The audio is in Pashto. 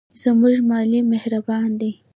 زموږ معلم مهربان دی.